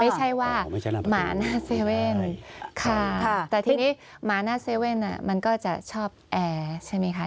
ไม่ใช่ว่าหมาหน้าเซเว่นค่ะแต่ทีนี้หมาหน้าเซเว่นมันก็จะชอบแอร์ใช่ไหมคะ